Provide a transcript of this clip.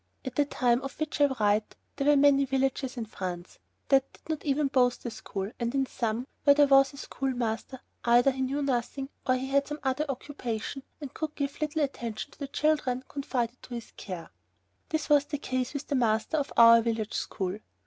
At the time of which I write, there were many villages in France that did not even boast of a school, and in some, where there was a schoolmaster, either he knew nothing, or he had some other occupation and could give little attention to the children confided to his care. This was the case with the master of our village school.